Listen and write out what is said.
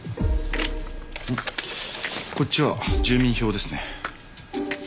こっちは住民票ですね。